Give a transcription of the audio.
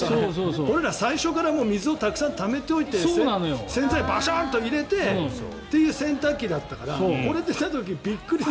俺ら、最初から水をためておいて洗剤をバシャンと入れてという洗濯機だったからこれ出た時びっくりで。